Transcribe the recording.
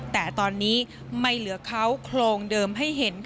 แต่ตอนนี้ไม่เหลือเขาโครงเดิมให้เห็น